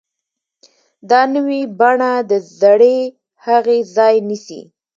دا نوې بڼه د زړې هغې ځای نیسي.